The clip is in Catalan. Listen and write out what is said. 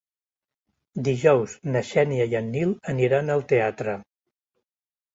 Dijous na Xènia i en Nil aniran al teatre.